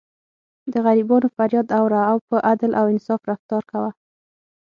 د غریبانو فریاد اوره او په عدل او انصاف رفتار کوه.